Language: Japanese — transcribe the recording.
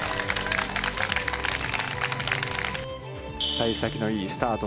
さい先のいいスタート。